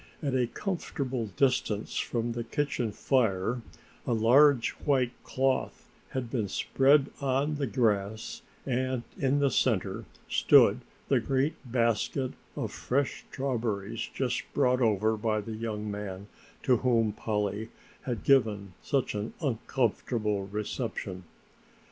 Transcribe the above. At a comfortable distance from the kitchen fire a large white cloth had been spread on the grass and in the center stood the great basket of fresh strawberries just brought over by the young man to whom Polly had given such an uncomfortable reception.